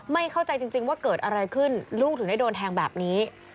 ไม่เข้าใจจริงว่าเกิดอะไรขึ้นลูกถึงได้โดนแทงแบบนี้